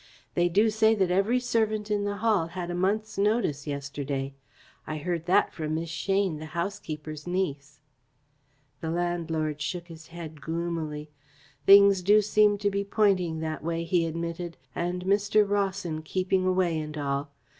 "They do say that every servant in the Hall had a month's notice yesterday. I heard that from Miss Shane, the housekeeper's niece." The landlord shook his head gloomily. "Things do seem to be pointing that way," he admitted, "and Mr. Rawson keeping away and all.